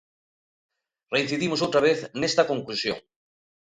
Reincidimos outra vez nesta conclusión.